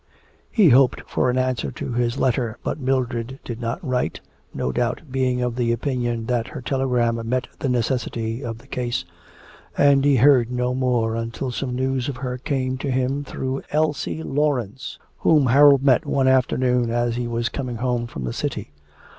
He hoped for an answer to his letter, but Mildred did not write, no doubt, being of opinion that her telegram met the necessity of the case, and he heard no more until some news of her came to him through Elsie Laurence, whom Harold met one afternoon as he was coming home from the city.